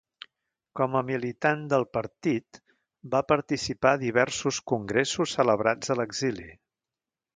Com a militant del partit, va participar a diversos congressos celebrats a l'exili.